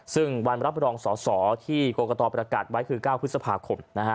ซึ่งวันรับรองสอสอที่กรกตประกาศไว้คือ๙พฤษภาคม